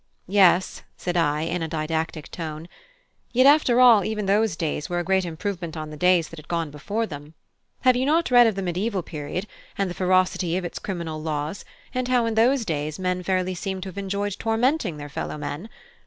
"Yes," said I, in a didactic tone; "yet after all, even those days were a great improvement on the days that had gone before them. Have you not read of the Mediaeval period, and the ferocity of its criminal laws; and how in those days men fairly seemed to have enjoyed tormenting their fellow men?